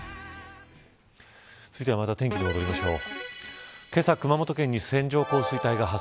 続いては、また天気に戻りましょう。